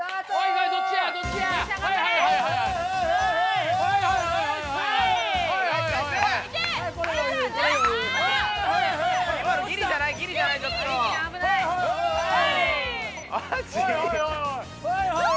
はいはいはいはい。